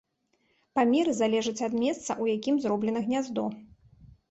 Памеры залежаць ад месца, у якім зроблена гняздо.